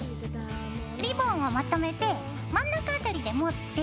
リボンをまとめて真ん中辺りで持って。